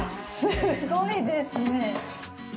すごいですね。